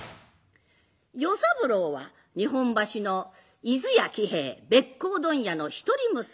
与三郎は日本橋の伊豆屋喜兵衛べっ甲問屋の一人息子。